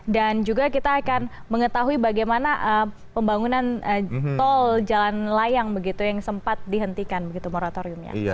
dan juga kita akan mengetahui bagaimana pembangunan tol jalan layang yang sempat dihentikan moratoriumnya